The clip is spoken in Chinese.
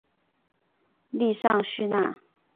利尚叙纳。